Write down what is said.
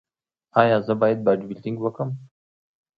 ایا زه باید باډي بلډینګ وکړم؟